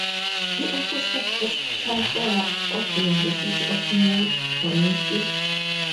He also served as Chancellor of the University of New Brunswick.